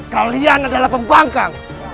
kalian adalah pembangkang